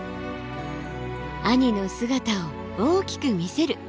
兄の姿を大きく見せる。